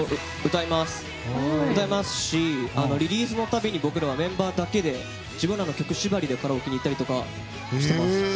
歌いますし、リリースのたびに僕らはメンバーだけで自分らの曲縛りでカラオケに行ったりとかしています。